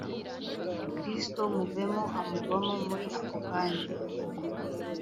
kristo muvemo amuvamo muri ako kanya